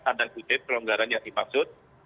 tanda kutip pelonggaran yang dimaksud